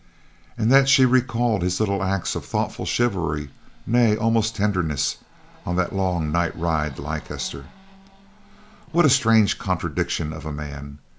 And then she recalled his little acts of thoughtful chivalry, nay, almost tenderness, on the long night ride to Leicester. What a strange contradiction of a man!